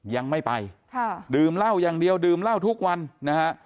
ยังไม่ไปค่ะดื่มเหล้าอย่างเดียวดื่มเหล้าทุกวันนะฮะ